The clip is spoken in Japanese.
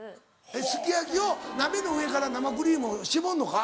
えっすき焼きを鍋の上から生クリームを絞んのか？